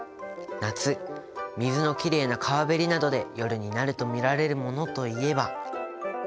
夏水のきれいな川べりなどで夜になると見られるものといえば。